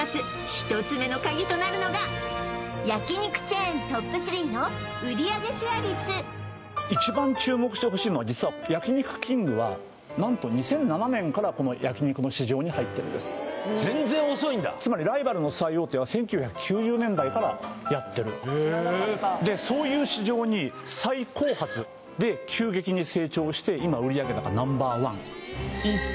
１つ目の鍵となるのが焼肉チェーントップ３の売上シェア率一番注目してほしいのは実は焼肉きんぐは何と２００７年からこの焼肉の市場に入ってるんです全然遅いんだつまりライバルの最大手は１９９０年代からやってるでそういう市場に最後発で急激に成長して今売上高Ｎｏ．１一体